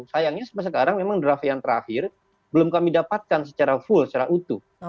sayangnya sampai sekarang memang draft yang terakhir belum kami dapatkan secara full secara utuh